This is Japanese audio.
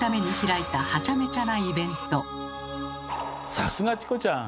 さすがチコちゃん！